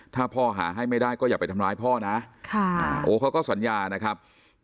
ถ้าพ่อหาให้ไม่ได้ก็อย่าไปทำร้ายพ่อนะโอ้เขาก็สัญญานะครับ